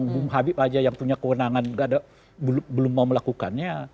bung habib aja yang punya kewenangan belum mau melakukannya